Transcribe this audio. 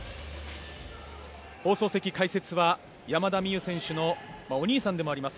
放送席解説は山田美諭選手のお兄さんでもあります